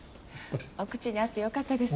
お口に合ってよかったです。